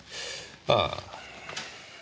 ああ。